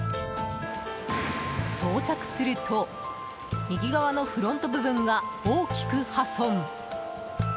到着すると右側のフロント部分が大きく破損。